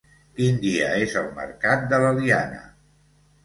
Quin dia és el mercat de l'Eliana?